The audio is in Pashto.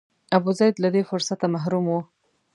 ابوزید له دې فرصته محروم و.